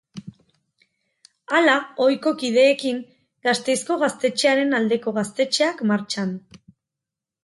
Hala, ohiko kideekin, Gasteizko Gaztetxearen aldeko Gaztetxeak martxan!